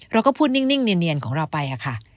เราก็พูดนิ่งเนียนของเราไปค่ะ